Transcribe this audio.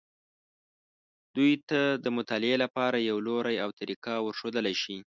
دوی ته د مطالعې لپاره یو لوری او طریقه ورښودلی شي.